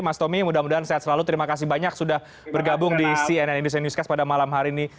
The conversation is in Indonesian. mas tommy mudah mudahan sehat selalu terima kasih banyak sudah bergabung di cnn indonesia newscast pada malam hari ini